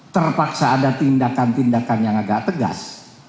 terpaksa ada tindakan tindakan yang agak tegas